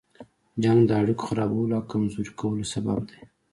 جنګ د اړيکو خرابولو او کمزوري کولو سبب دی.